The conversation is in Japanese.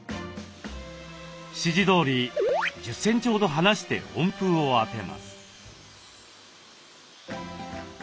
指示どおり１０センチほど離して温風をあてます。